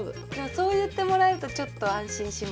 そう言ってもらえるとちょっと安心します。